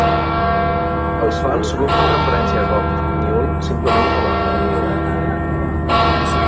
Els fans sovint fan referència a Gov't Mule simplement com a "Mule".